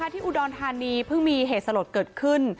ที่อุดรธานีเพิ่งมีเหตุสลดเกิดขึ้น